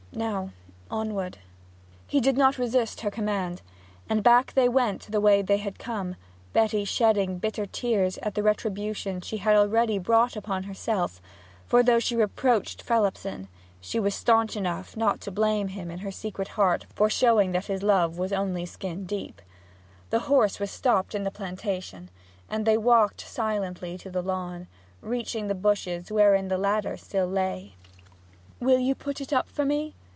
Now onward.' He did not resist her command, and back they went by the way they had come, Betty shedding bitter tears at the retribution she had already brought upon herself; for though she had reproached Phelipson, she was staunch enough not to blame him in her secret heart for showing that his love was only skin deep. The horse was stopped in the plantation, and they walked silently to the lawn, reaching the bushes wherein the ladder still lay. 'Will you put it up for me?'